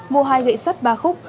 mua hai gậy sắt ba khúc